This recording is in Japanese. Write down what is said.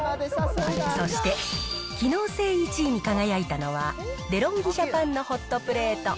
そして、機能性１位に輝いたのは、デロンギ・ジャパンのホットプレート。